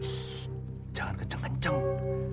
shh jangan kenceng kenceng